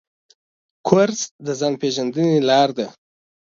کورس د ځان پېژندنې لاره ده.